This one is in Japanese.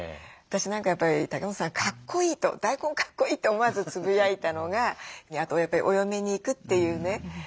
私何かやっぱり竹本さん「かっこいい」と「大根かっこいい」と思わずつぶやいたのがあとやっぱりお嫁に行くっていうね